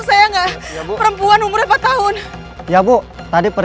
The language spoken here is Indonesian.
tontonan mungkin di luar luar